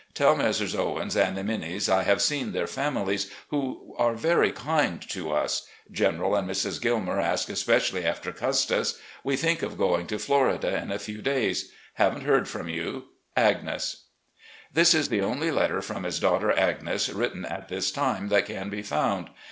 Tell Messrs. Owens and Minis I have seen their families, who are very kind to us. General and Mrs. Gilmer asked especially after Custis. ... We think of going to Florida in a few days. Haven't heard from you. "Agnes." This is the only letter from his daughter Agnes, written at this time, that can be fotmd.